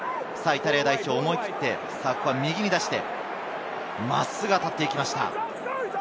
イタリア代表、思い切って右に出して、真っすぐ当たっていきました。